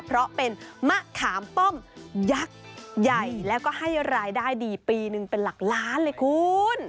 เพราะเป็นมะขามป้อมยักษ์ใหญ่แล้วก็ให้รายได้ดีปีหนึ่งเป็นหลักล้านเลยคุณ